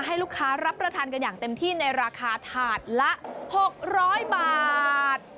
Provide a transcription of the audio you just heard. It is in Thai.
ให้ลูกค้ารับประทานกันอย่างเต็มที่ในราคาถาดละ๖๐๐บาท